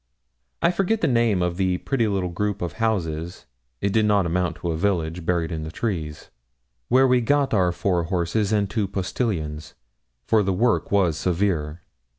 I forget the name of the pretty little group of houses it did not amount to a village buried in trees, where we got our four horses and two postilions, for the work was severe.